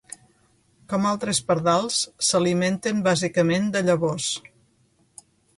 Com altres pardals, s'alimenten bàsicament de llavors.